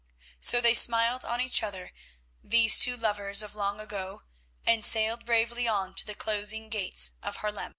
So they smiled on each other, these two lovers of long ago, and sailed bravely on to the closing gates of Haarlem.